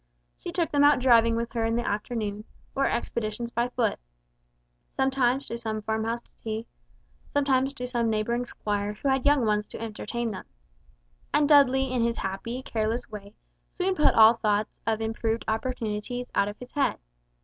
She took them out driving with her in the afternoon, or expeditions by foot; sometimes to some farmhouse to tea, sometimes to some neighboring squire who had young ones to entertain them. And Dudley in his happy, careless way soon put all thoughts of improved opportunities out of his head.